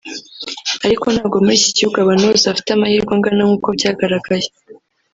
ariko ntabwo muri iki gihugu abantu bose bafite amahirwe angana nk’ uko byagaragaye”